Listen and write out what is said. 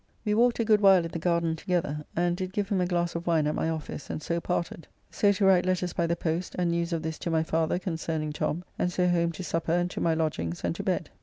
We walked a good while in the garden together, and did give him a glass of wine at my office, and so parted. So to write letters by the post and news of this to my father concerning Tom, and so home to supper and to my lodgings and to bed.